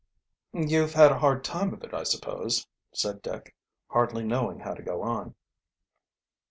"You've had a hard time of it, I suppose? said Dick, hardly knowing how to go on.